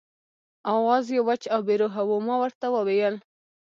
آواز یې وچ او بې روحه و، ما ورته وویل.